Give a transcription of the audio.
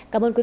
cảm ơn quý vị